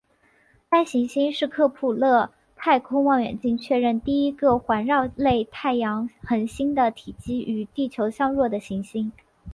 该行星是克卜勒太空望远镜确认第一个环绕类太阳恒星的体积与地球相若的行星。